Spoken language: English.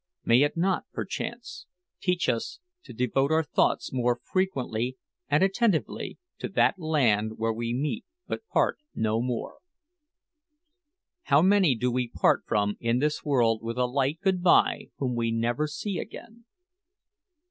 May it not, perchance, teach us to devote our thoughts more frequently and attentively to that land where we meet but part no more? How many do we part from in this world with a light good bye whom we never see again!